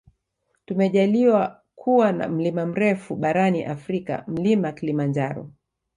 Tumejaliwa kuwa na mlima mrefu barani afrika mlima kilimanjaro